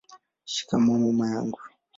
shikamoo mama wangu